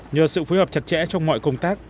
nhờ sự phối hợp chặt chẽ trong mọi công tác